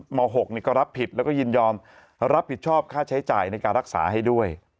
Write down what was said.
ม๖ก็รับผิดแล้วก็ยินยอมรับผิดชอบค่าใช้จ่ายในการรักษาให้ด้วย